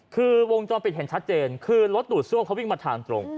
คือวงจรปิดเห็นชัดเจนคือรถตูดซ่วเขาวิ่งมาทางตรง